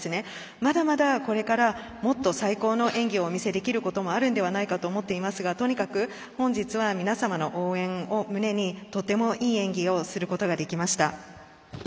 まだまだこれからもっと最高の演技をお見せできることもあるんではないかと思っていますが、とにかく本日は皆様の応援を胸にとてもいい演技をすることができました。